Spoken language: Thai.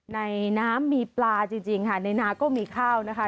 ในน้ำมีปลาจริงค่ะในนาก็มีข้าวนะคะ